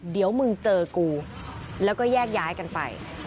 เดี๋ยวมึงเจอกูแล้วก็แยกย้ายกันไป